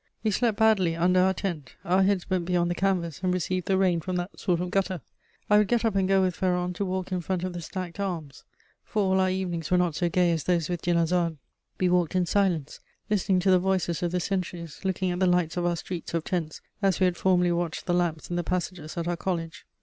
We slept badly under our tent; our heads went beyond the canvas and received the rain from that sort of gutter. I would get up and go with Ferron to walk in front of the stacked arms; for all our evenings were not so gay as those with Dinarzade. We walked in silence, listening to the voices of the sentries, looking at the lights of our streets of tents as we had formerly watched the lamps in the passages at our college.